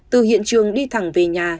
từ hiện trường đi thẳng về nhà